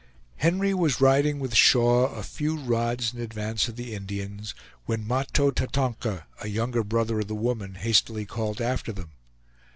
Henry was riding with Shaw a few rods in advance of the Indians, when Mahto Tatonka, a younger brother of the woman, hastily called after them.